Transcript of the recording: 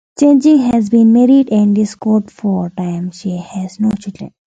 Channing has been married and divorced four times; she has no children.